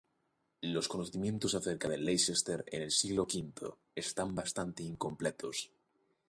Los conocimientos acerca de Leicester en el siglo V están bastante incompletos.